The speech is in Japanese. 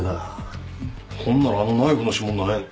ほんならあのナイフの指紋何やねん？